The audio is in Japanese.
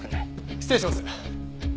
失礼します。